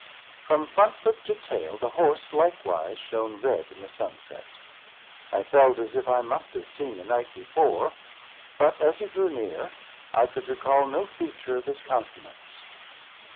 From frontlet to tail, the horse likewise shone red in the sunset. I felt as if I must have seen the knight before; but as he drew near, I could recall no feature of his countenance.